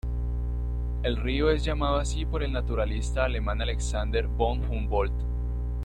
El río es llamado así por el naturalista alemán Alexander von Humboldt.